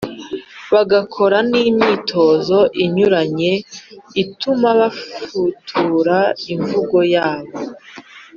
bagakora n’imyitozo inyuranye ituma bafutura imvugo yabo;